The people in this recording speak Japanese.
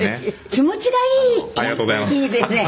「気持ちがいい！いいですね！」